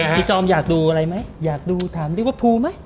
พี่จอมอยากดูอะไรไหมอยากดูถามเรียกว่าภูมิไหม